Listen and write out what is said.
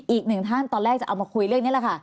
อีกหนึ่งท่านตอนแรกจะเอามาคุยเรื่องนี้แหละค่ะ